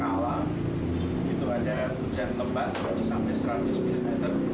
di jawa itu ada hujan lebat seratus seratus mm